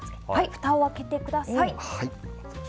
ふたを開けてください。